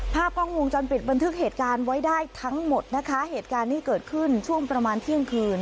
ภาพกล้องวงจรปิดบันทึกเหตุการณ์ไว้ได้ทั้งหมดนะคะเหตุการณ์ที่เกิดขึ้นช่วงประมาณเที่ยงคืน